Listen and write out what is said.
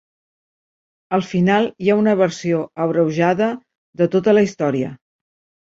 Al final, hi ha una versió abreujada de tota la història.